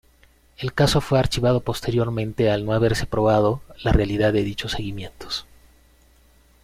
El caso fue archivado posteriormente al no haberse probado la realidad de dichos seguimientos.